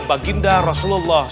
mbak ginda rasulullah